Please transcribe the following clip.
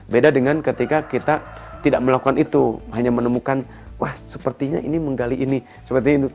beda dengan ketika kita tidak melakukan itu hanya menemukan wah sepertinya ini menggali ini seperti ini